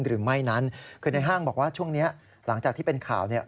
หรือไม่นั้นคือในห้างบอกว่าช่วงนี้หลังจากที่เป็นข่าวเนี่ย